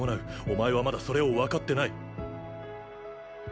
お前はまだそれを分かってない。